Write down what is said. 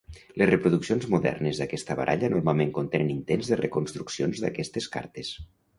Les reproduccions modernes d'aquesta baralla normalment contenen intents de reconstruccions d'aquestes cartes.